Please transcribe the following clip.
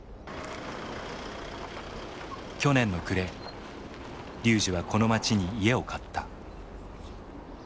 去年の暮れ龍司はこの町に家を買った。